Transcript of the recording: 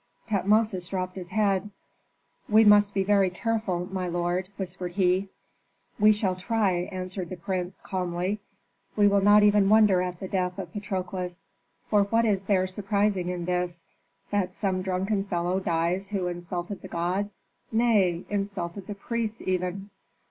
Tutmosis dropped his head. "We must be very careful, my lord," whispered he. "We shall try," answered the prince, calmly. "We will not even wonder at the death of Patrokles. For what is there surprising in this, that some drunken fellow dies who insulted the gods, nay! insulted the priests even."